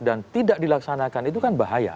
dan tidak dilaksanakan itu kan bahaya